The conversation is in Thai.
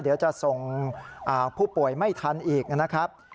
เดี๋ยวจะส่งผู้ป่วยไม่ทันอีกนะครับ